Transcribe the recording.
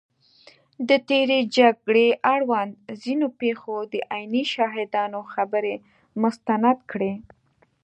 د تېرې جګړې اړوند ځینو پېښو د عیني شاهدانو خبرې مستند کړي